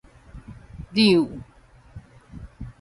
鈕